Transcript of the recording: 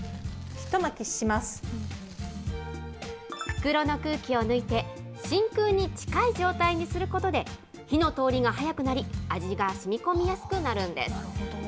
袋の空気を抜いて、真空に近い状態にすることで、火の通りが早くなり、味がしみこみやすくなるんです。